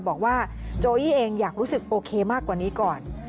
บอกว่าโจอี้เองอยากรู้สึกโอเคมากกว่านี้ก่อน